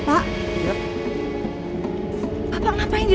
bagar kitanya satu satunya